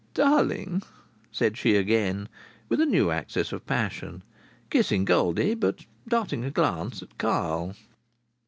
"Darling!" said she again, with a new access of passion, kissing Goldie, but darting a glance at Carl.